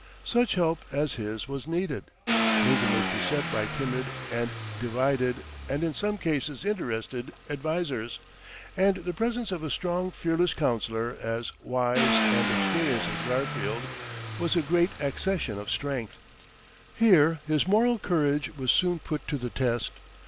Such help as his was needed. Lincoln was beset by timid and divided, and in some cases interested, advisers, and the presence of a strong, fearless counsellor, as wise and experienced as Garfield, was a great accession of strength. Here his moral courage was soon put to the test.